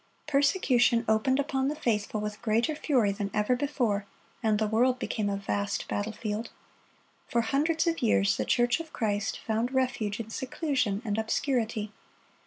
(82) Persecution opened upon the faithful with greater fury than ever before, and the world became a vast battle field. For hundreds of years the church of Christ found refuge in seclusion and obscurity.